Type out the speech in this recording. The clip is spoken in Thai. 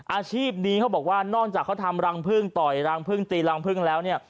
อาชีพนี้เขาบอกว่านอกจากเขาทำรังพึ่งต่อยรังพึ่งตีรังพึ่งแล้วเนี่ย